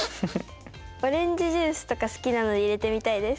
オレンジジュースとか好きなので入れてみたいです。